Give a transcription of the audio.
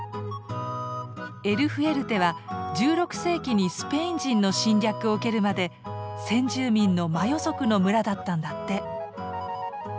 エル・フエルテは１６世紀にスペイン人の侵略を受けるまで先住民のマヨ族の村だったんだって。